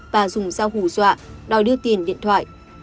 và dùng dao hù dọa đòi đưa tiền điện thoại